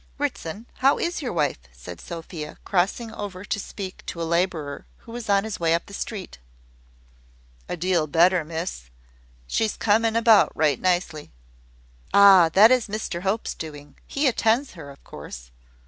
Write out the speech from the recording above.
"Ritson, how is your wife?" said Sophia, crossing over to speak to a labourer who was on his way up the street. "A deal better, Miss. She's coming about right nicely!" "Ah! that is Mr Hope's doing. He attends her, of course."